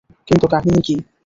কিন্তু কাহিনী কী?